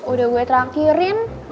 udah gue traktirin